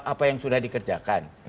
apa yang sudah dikerjakan